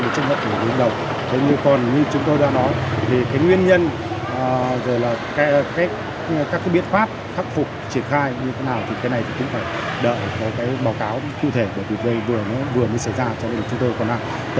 các biện pháp các vụ trên địa bàn